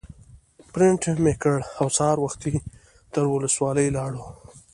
پرنټ مو کړ او سهار وختي تر ولسوالۍ لاړو.